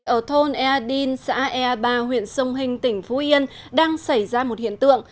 ở thôn ea đinh xã ea ba huyện sông hình tỉnh phú yên đang xảy ra một hiện tượng